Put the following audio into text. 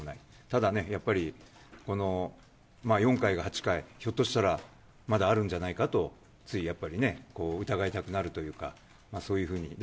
ただね、やっぱりこの４回が８回、ひょっとしたらまだあるんじゃないかとついやっぱりね、疑いたくなるというか、そういうふうに。